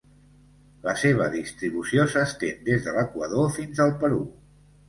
La seva distribució s'estén des de l'Equador fins al Perú.